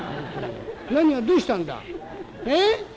何がどうしたんだ？ええ？」。